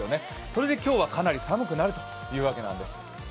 それで今日はかなり寒くなるというわけなんです。